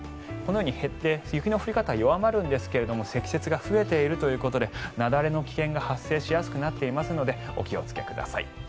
このように減って雪の降り方は弱まるんですが積雪が増えているということで雪崩の危険性が発生しやすくなっていますのでお気をつけください。